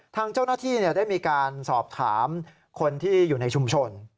ทางเจ้าหน้าที่ได้มีการสอบถามคนที่อยู่ในชุมชน